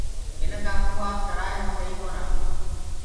منک آپو ڪوُ آپ سَرآئي وو سئي ڪونآ۔